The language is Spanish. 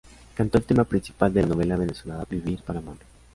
Cantó el tema principal de la novela venezolana "Vivir para amar".